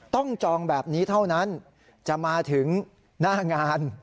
จองแบบนี้เท่านั้นจะมาถึงหน้างาน